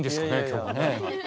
今日はね。